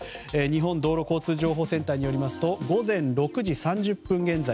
日本道路交通情報センターによりますと午前６時３０分現在